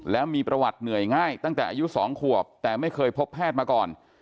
แล้วมีประวัติเหนื่อยง่ายตั้งแต่อายุ๒ขวบแต่ไม่เคยพบแพทย์มาก่อน